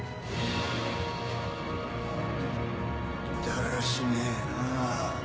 だらしねえなぁ。